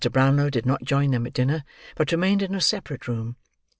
Brownlow did not join them at dinner, but remained in a separate room.